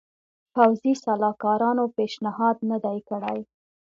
پوځي سلاکارانو پېشنهاد نه دی کړی.